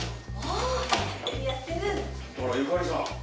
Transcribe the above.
あらゆかりさん。